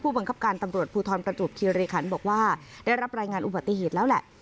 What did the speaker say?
บังคับการตำรวจภูทรประจวบคิริคันบอกว่าได้รับรายงานอุบัติเหตุแล้วแหละ